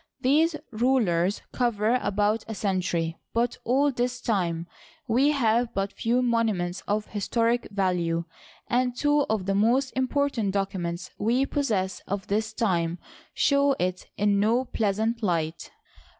These rulers cover about a century, but of all this time we have but few monuments of historic value, and two of the most important docu ments we possess of this time show it in no pleasant light.